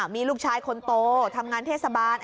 มีลูกชายคนโตทำงานเทศบาล